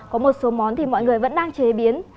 có một số món thì mọi người vẫn đang chế biến